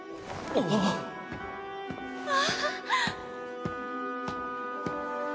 ああ！